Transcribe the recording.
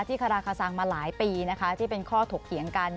ที่คลาคสังมาหลายปีนะคะที่เป็นข้อถกเหยียงกัน